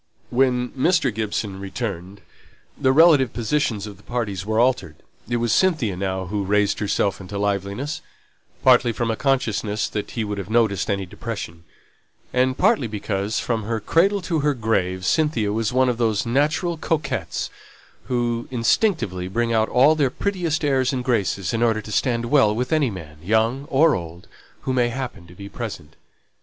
When Mr. Gibson returned, the relative positions of the parties were altered. It was Cynthia now who raised herself into liveliness, partly from a consciousness that he would have noticed any depression, and partly because Cynthia was one of those natural coquettes, who, from their cradle to their grave, instinctively bring out all their prettiest airs and graces in order to stand well with any man, young or old, who may happen to be present.